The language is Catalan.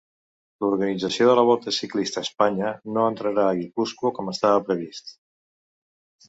L'organització de la Volta Ciclista a Espanya no entrarà a Guipúscoa com estava previst.